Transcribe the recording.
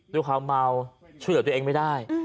ด้วยความเมาช่วยเหลือตัวเองไม่ได้